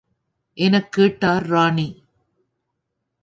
எனக் கேட்டார் ராணி.